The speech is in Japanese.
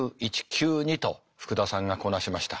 Ｑ２と福田さんがこなしました。